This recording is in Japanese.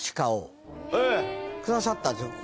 くださったんですよ。